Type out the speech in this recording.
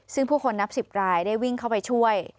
ซึ่งผู้คนนับ๑๐รายได้วิ่งเข้าไปช่วย